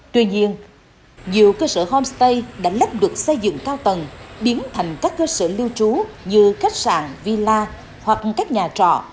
tuy nhiên nhiều cơ sở homestay đã lắp được xây dựng cao tầng biến thành các cơ sở lưu trú như khách sạn villa hoặc các nhà trọ